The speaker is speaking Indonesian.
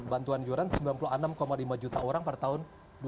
bantuan yuran sembilan puluh enam lima juta orang per tahun dua ribu sembilan belas